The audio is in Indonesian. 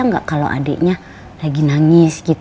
enggak kalau adiknya lagi nangis